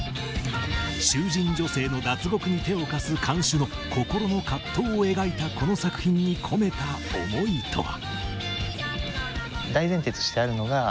囚人女性の脱獄に手を貸す看守の心の葛藤を描いたこの作品に込めた思いとは？